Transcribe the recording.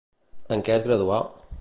En què es graduà?